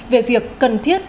về việc cần thiết